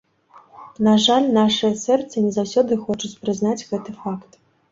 На жаль, нашыя сэрцы не заўсёды хочуць прызнаць гэты факт.